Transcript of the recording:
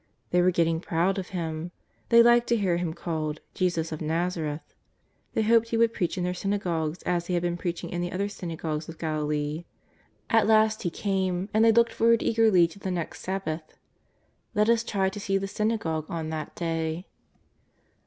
They were getting proud of Him. They liked to hear Him called ^' Jesus of Xazareth." They hoped He would preach in their synagogue as He had been preach ing in the other synagogues of Galilee. At last He came, and they looked forward eagerly to the next Sab bath. Let us try to see the synagogue on that day.